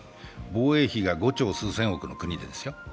防衛費が５兆数千億の国で、ですよ。